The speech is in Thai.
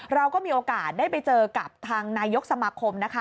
เราก็มีโอกาสได้ไปเจอกับทางนายกสมาคมนะคะ